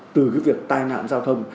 từ cái việc tai nạn giao thông